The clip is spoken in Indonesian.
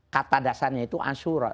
kata dasarnya itu ashura